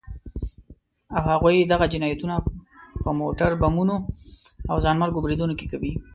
او هغوی دغه جنايتونه په موټر بمونو او ځانمرګو بريدونو کې کوي.